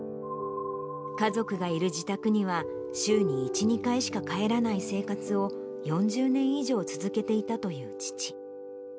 家族がいる自宅には週に１、２回しか帰らない生活を、４０年以上続けていたという父。